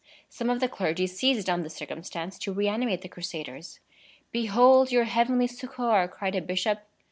Some of the clergy seized on this circumstance to reanimate the Crusaders. "Behold your heavenly succor!" cried a bishop.